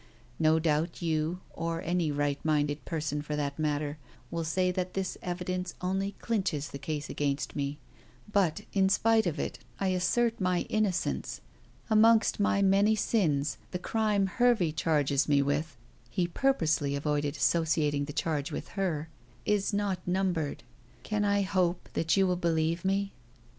No doubt you, or any right minded person for that matter, will say that this evidence only clinches the case against me. But, in spite of it, I assert my innocence. Amongst my many sins the crime Hervey charges me with" he purposely avoided associating the charge with her "is not numbered. Can I hope that you will believe me?"